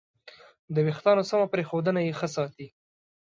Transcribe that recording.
د وېښتیانو سمه پرېښودنه یې ښه ساتي.